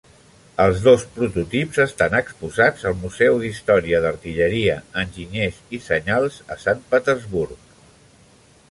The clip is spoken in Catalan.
Els dos prototips estan exposats al museu d'història d'artilleria, enginyers i senyals, a Sant Petersburg.